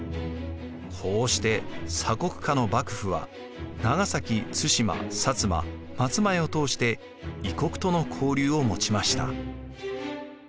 こうして鎖国下の幕府は長崎・対馬・摩・松前を通して異国との交流を持ちました。